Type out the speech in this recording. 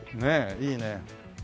いいね。